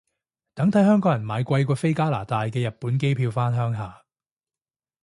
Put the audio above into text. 等睇香港人買貴過飛加拿大嘅日本機票返鄉下